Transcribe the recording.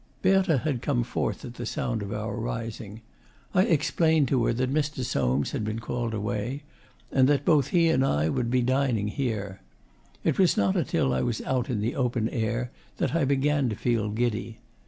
Berthe had come forth at the sound of our rising. I explained to her that Mr. Soames had been called away, and that both he and I would be dining here. It was not until I was out in the open air that I began to feel giddy.